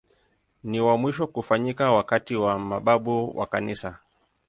Ni wa mwisho kufanyika wakati wa mababu wa Kanisa.